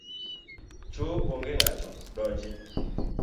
Cho onge ng’ato donji.